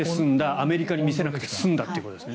アメリカに見せなくて済んだということですね。